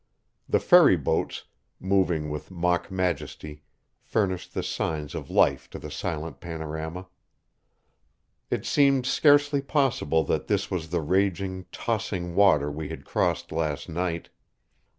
The ferry boats, moving with mock majesty, furnished the signs of life to the silent panorama. It seemed scarcely possible that this was the raging, tossing water we had crossed last night.